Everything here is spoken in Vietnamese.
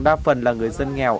đa phần là người dân nghèo